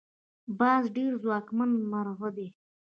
باز ډیر ځواکمن مرغه دی